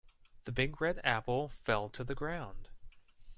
The big red apple fell to the ground.